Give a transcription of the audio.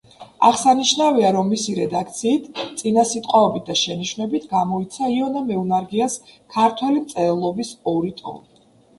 აღსანიშნავია, რომ მისი რედაქციით, წინასიტყვაობით და შენიშვნებით გამოიცა იონა მეუნარგიას ქართველი მწერლობის ორი ტომი.